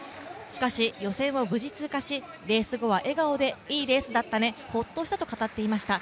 しかし、予選を無事通過しレース後は笑顔でいいレースだったね、ほっとしたと語っていました。